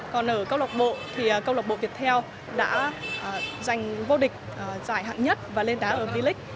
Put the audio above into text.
còn ở câu lọc bộ thì câu lạc bộ việt theo đã giành vô địch giải hạng nhất và lên đá ở v league